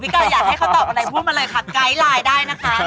พี่เก่าอยากให้เขาตอบอะไรพูดมากิจไลน์ได้นะคะ